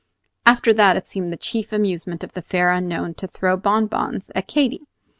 After that it seemed the chief amusement of the fair unknown to throw bonbons at Katy.